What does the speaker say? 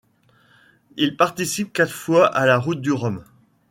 Il participe quatre fois à la Route du Rhum.